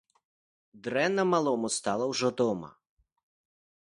Дрэнна малому стала ўжо дома.